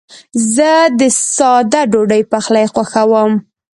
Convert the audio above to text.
زه د ساده ډوډۍ پخلی خوښوم.